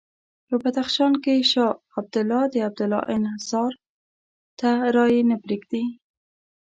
په بدخشان کې شاه عبدالله د عبدالله انحصار ته رایې نه پرېږدي.